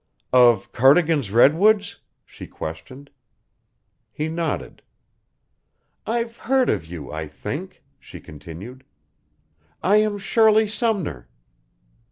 "Of Cardigan's Redwoods?" she questioned. He nodded. "I've heard of you, I think," she continued. "I am Shirley Sumner."